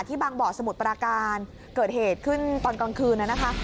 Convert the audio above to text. บางบ่อสมุทรปราการเกิดเหตุขึ้นตอนกลางคืนน่ะนะคะ